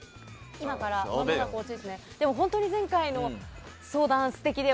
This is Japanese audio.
でも本当に前回の相談、素敵で。